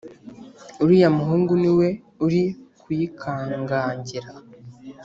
Uriya muhungu niwe uri kuyikangagira